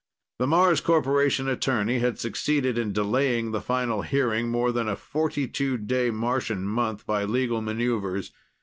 The Mars Corporation attorney had succeeded in delaying the final hearing more than a 42 day Martian month by legal maneuvers.